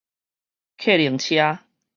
客行車